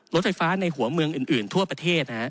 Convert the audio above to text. รถไฟฟ้าในหัวเมืองอื่นทั่วประเทศ